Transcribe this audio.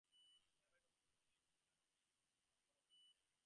Private overprints have been used for a number of reasons.